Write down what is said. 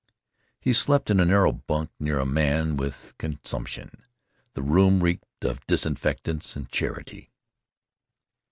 He slept in a narrow bunk near a man with consumption. The room reeked of disinfectants and charity.